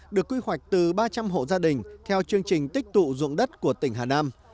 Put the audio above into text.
được quy hoạch từ ba trăm linh hộ gia đình theo chương trình tích tụ dụng đất của tỉnh hà nam